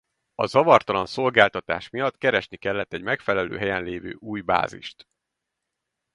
A zavartalan szolgáltatás miatt keresni kellett egy megfelelő helyen lévő új bázist.